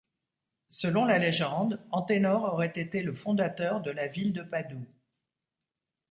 Selon la légende, Anténor aurait été le fondateur de la ville de Padoue.